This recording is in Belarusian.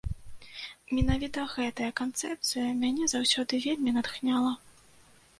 Менавіта гэтая канцэпцыя мяне заўсёды вельмі натхняла.